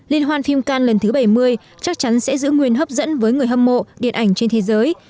liên hoan phim can lần thứ bảy mươi chắc chắn sẽ giữ nguyên hấp dẫn với người hâm mộ điện ảnh trên thế giới